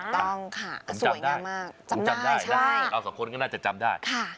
ต้องค่ะสวยมากผมจำได้ได้เราสองคนก็น่าจะจำได้